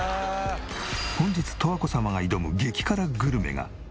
本日十和子様が挑む激辛グルメが。